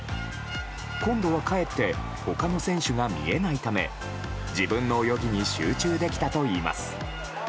今度はかえって他の選手が見えないため自分の泳ぎに集中できたといいます。